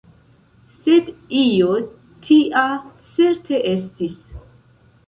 Sed io tia certe estis.